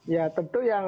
ya tentu yang